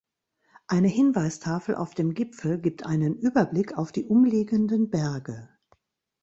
Eine Hinweistafel auf dem Gipfel gibt einen Überblick auf die umliegenden Berge.